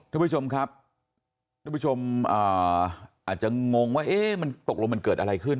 ท่านผู้ชมครับท่านผู้ชมอาจจะงงว่ามันตกลงมันเกิดอะไรขึ้น